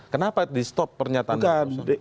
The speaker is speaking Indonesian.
kenapa di stop pernyataan pak usama